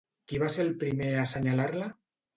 Qui va ser el primer a assenyalar-la?